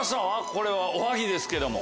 これはおはぎですけども。